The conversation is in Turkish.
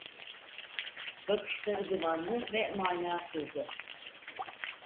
Bakışları dumanlı ve manasızdı.